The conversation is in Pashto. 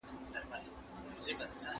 کبابي راډیو دومره لوړه کړې چې هر څوک یې اوري.